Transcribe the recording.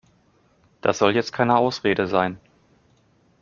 Das soll jetzt keine Ausrede sein.